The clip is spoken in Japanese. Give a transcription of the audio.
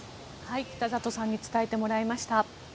北里さんに伝えてもらいました。